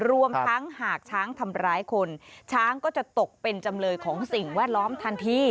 รวมทั้งหากช้างทำร้ายคนช้างก็จะตกเป็นจำเลยของสิ่งแวดล้อมทันที